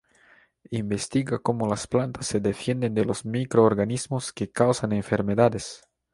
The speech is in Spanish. Investiga cómo las plantas se defienden de los microorganismos que causan enfermedades.